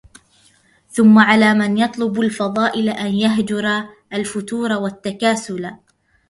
ثم على من يطلبُ الفضائلا أن يَهْجُرَ الفُتورَ والتكاسلا